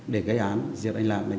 để gây án giết anh lạng